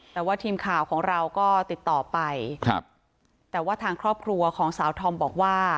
แต่ว่าทีมข่าวของเราก็ติดต่อไปครับแต่ว่าทางครอบครัวของสาวธอมบอกว่า